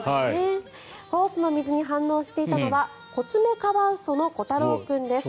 ホースの水に反応していたのはコツメカワウソのコタロー君です。